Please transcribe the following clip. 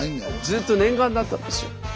ずっと念願だったんですよ。